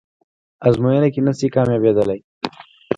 ازموینه کې نشئ کامیابدلی